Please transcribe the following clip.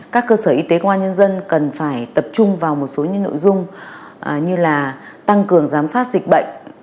các cơ sở y tế công an nhân dân cần phải tập trung vào một số những nội dung như là tăng cường giám sát dịch bệnh